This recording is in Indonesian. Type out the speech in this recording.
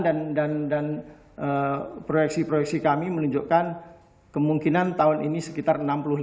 dan proyeksi proyeksi kami menunjukkan kemungkinan tahun ini sekitar enam puluh lima